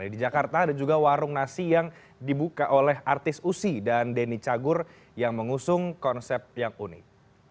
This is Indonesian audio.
di jakarta ada juga warung nasi yang dibuka oleh artis usi dan denny cagur yang mengusung konsep yang unik